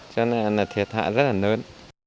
cho nên là thiệt hại rất là lớn